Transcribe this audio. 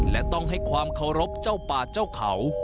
และต้องให้ความเคารพเจ้าป่าเจ้าเขา